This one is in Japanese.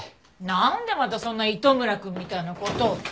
なんでまたそんな糸村くんみたいな事を。